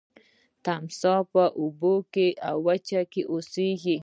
تمساح په اوبو او وچه کې اوسیږي